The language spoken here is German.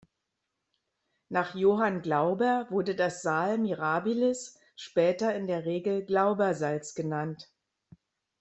Nach Johann Glauber wurde das "Sal mirabilis" später in der Regel Glaubersalz genannt.